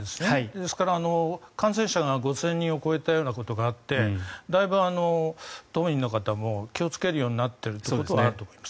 ですから、感染者が５０００人を超えたようなことがあってだいぶ都民の方も気をつけるようになっていることはあると思います。